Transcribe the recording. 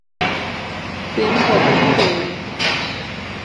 B'in bogadh go hÉirinn.